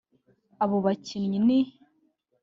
Abo bakinnyi ni